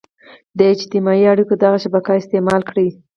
د اجتماعي اړيکو دغه شبکه استعمال کړي.